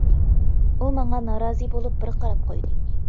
ئۇ ماڭا نارازى بولۇپ بىر قاراپ قويدى.